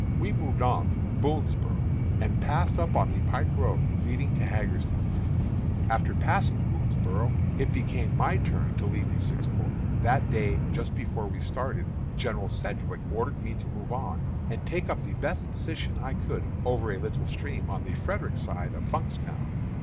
We moved on through Boonsboro', and passed up on the pike road leading to Hagerstown. "After passing Boonsboro' it became my turn to lead the Sixth Corps. That day, just before we started, General Sedgwick ordered me to move on and take up the best position I could over a little stream on the Frederick side of Funkstown.